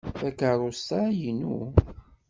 Takeṛṛust-a inu.